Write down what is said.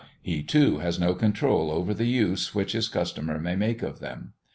He, too, has no control over the use which his customer may make of them.